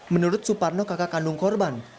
menurut suparno kakak kandung korban